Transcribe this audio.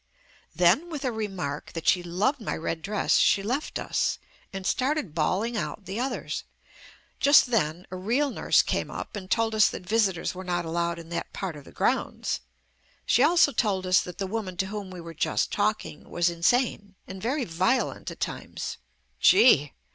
Then with a remark that she loved my red dress she left us, and started bawling out the others. Just then a real nurse came up and told us that visitors were not al lowed in that part of the grounds. She also told us that the woman to whom we were just talking was insane and very violent at times.. Gee